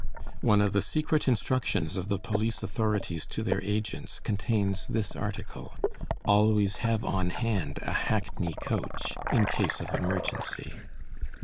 One of the secret instructions of the police authorities to their agents contains this article: "Always have on hand a hackney coach, in case of emergency."